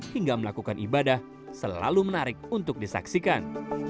hingga melakukan ibadah selalu menarik untuk disaksikan